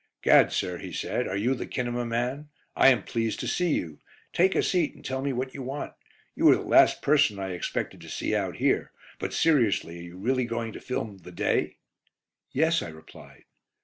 "Gad, sir," he said, "are you the kinema man? I am pleased to see you. Take a seat, and tell me what you want. You are the last person I expected to see out here. But, seriously, are you really going to film 'The Day'?" "Yes," I replied.